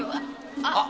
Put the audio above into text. あっ！